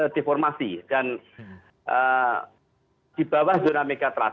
deformasi dan di bawah zona megatrust